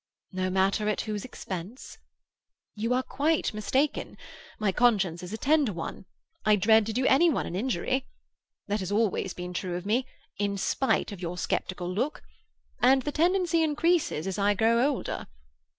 "No matter at whose expense?" "You are quite mistaken. My conscience is a tender one. I dread to do any one an injury. That has always been true of me, in spite of your sceptical look; and the tendency increases as I grow older.